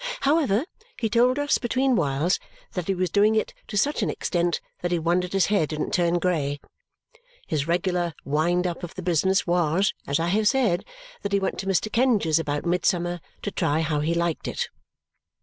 However, he told us between whiles that he was doing it to such an extent that he wondered his hair didn't turn grey. His regular wind up of the business was (as I have said) that he went to Mr. Kenge's about midsummer to try how he liked it.